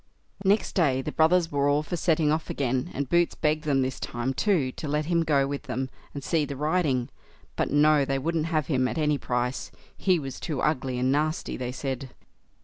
Next day the brothers were all for setting off again, and Boots begged them this time, too, to let him go with them and see the riding; but no, they wouldn't have him at any price, he was too ugly and nasty, they said.